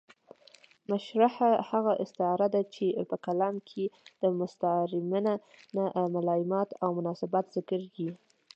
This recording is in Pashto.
مرشحه هغه استعاره ده، چي په کلام کښي د مستعارمنه ملایمات اومناسبات ذکر يي.